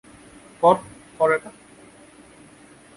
কর, কর এটা!